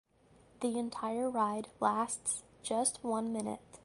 The entire ride lasts just one minute.